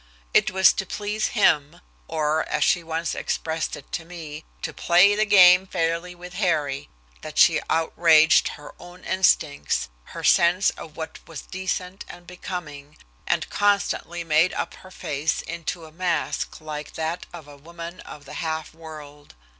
It was to please him, or, as she once expressed it to me, "to play the game fairly with Harry" that she outraged her own instincts, her sense of what was decent and becoming, and constantly made up her face into a mask like that of a woman of the half world.